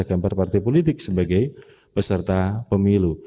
gambar partai politik sebagai peserta pemilu